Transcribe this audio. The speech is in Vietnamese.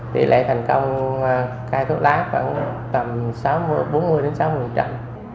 thì lệ thành công ca thuốc lá khoảng tầm bốn mươi sáu mươi trận